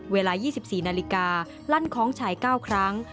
เวลา๒๔นาฬิกาลั่นคล้องชัย๙ครั้ง